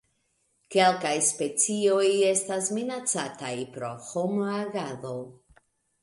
Kelkaj specioj estas minacataj pro homa agado.